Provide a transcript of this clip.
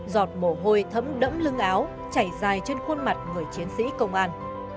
giọt mồ hôi thấm đẫm lưng áo chảy dài trên khuôn mặt người chiến sĩ công an